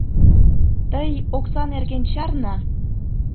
— Тый окса нерген чарне...